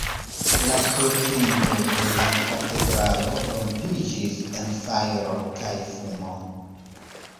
La tur-pinto de la katedralo rompiĝis en fajro kaj fumo.